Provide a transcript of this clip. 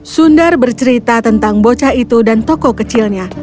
sundar bercerita tentang bocah itu dan toko kecilnya